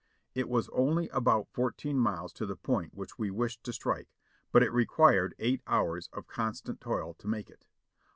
It was only about fourteen miles to the point which we wished to strike, but it required eight hours of constant toil to make it.